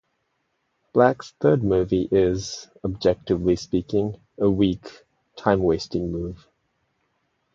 Black's third move is, objectively speaking, a weak, time-wasting move.